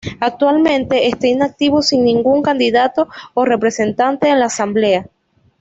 Actualmente está inactivo sin ningún candidato o representante en la Asamblea.